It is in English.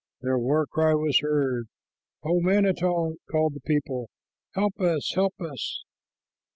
Their war cry was heard, "O manito," called the people, "help us, help us!"